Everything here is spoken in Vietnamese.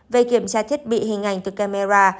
về kiểm tra thiết bị hình ảnh từ camera